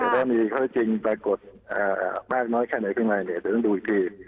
ถ้ามีความจริงปรากฏมากน้อยแค่ไหนอยู่กันอย่างไรก็ต้องดูอีกที